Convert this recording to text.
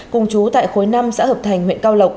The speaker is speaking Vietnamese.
cùng chú tại khối năm xã hợp thành huyện cao lộc